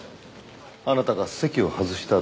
あなたが席を外した